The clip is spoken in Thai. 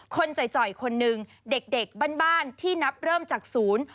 จ่อยคนหนึ่งเด็กบ้านที่นับเริ่มจากศูนย์